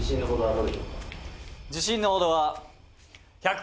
「自信のほどは」